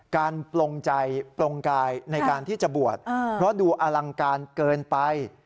ปลงใจปลงกายในการที่จะบวชเพราะดูอลังการเกินไป